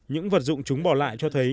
những vật dụng chúng bỏ lại cho thấy